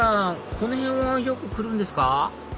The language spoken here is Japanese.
この辺はよく来るんですか？